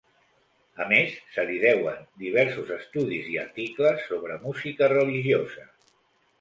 A més se li deuen, diversos estudis i articles sobre música religiosa.